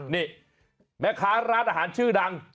นี่แม่ค้าร้านอาหารชื่อดัง